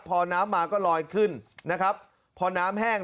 พอน้ำมาก็ลอยขึ้นนะครับพอน้ำแห้ง